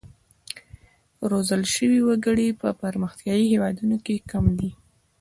روزل شوي وګړي په پرمختیايي هېوادونو کې کم دي.